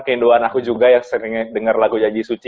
keindoan aku juga yang sering dengar lagu janji suci